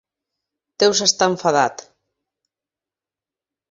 Deus estar enfadat.